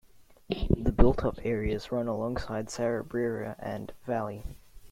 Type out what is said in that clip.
The builtup areas run alongside Sarab River and Valley.